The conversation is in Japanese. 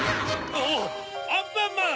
おっアンパンマン！